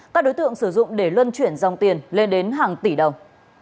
các đối tượng sử dụng để luân chuyển dòng tiền lên đến hàng tỷ đồng